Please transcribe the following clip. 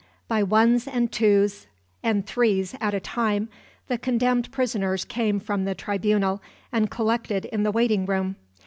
By ones and twos and threes at a time, the condemned prisoners came from the tribunal, and collected in the waiting room.